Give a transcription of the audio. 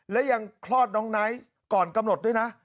และยังคลอดน้องไนท์ก่อนกำหนดด้วยนะ